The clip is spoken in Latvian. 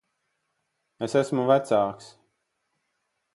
Es esmu vecāks.